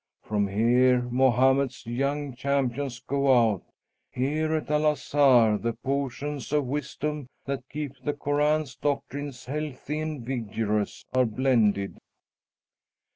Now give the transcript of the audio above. From here Mohammed's young champions go out. Here, at El Azhar, the potions of wisdom that keep the Koran's doctrines healthy and vigorous are blended.'"